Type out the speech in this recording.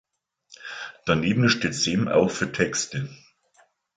Daneben steht Sem auch für "Texte".